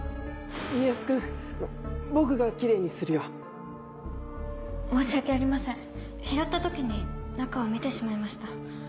家康君僕がキレイにする申し訳ありません拾った時に中を見てしまいました。